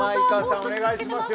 お願いしますよ。